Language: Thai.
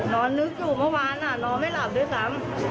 นอนนึกอยู่เมื่อวานนอนไม่หลับด้วยซ้ำ